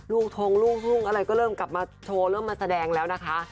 ทงลูกทุ่งอะไรก็เริ่มกลับมาโชว์เริ่มมาแสดงแล้วนะคะ